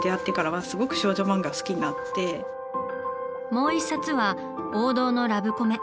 もう１冊は王道のラブコメ